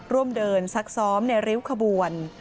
ร่วมเดินซักซ้อมในริ้วขบวน